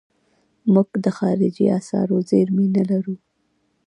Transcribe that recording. موږ د خارجي اسعارو زیرمې نه لرو.